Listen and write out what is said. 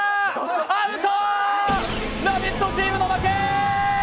アウト、「ラヴィット！」チームの負け！